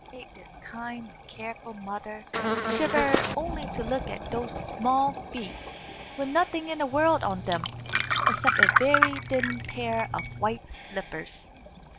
It made this kind and careful mother shiver only to look at those small feet, with nothing in the world on them, except a very thin pair of white slippers.